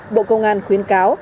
bộ công an khuyến cáo